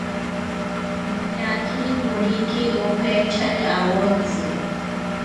Noñakiri koriki okeinchari awotzi